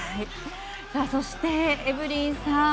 そして、エブリンさん